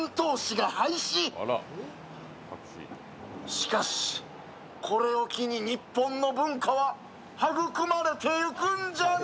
しかし、これを機に日本の文化は育まれていくんじゃな。